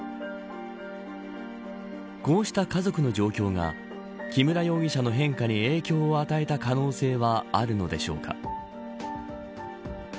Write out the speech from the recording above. こうした家族の状況が木村容疑者の変化に影響を与えた可能性はあるのでしょうか。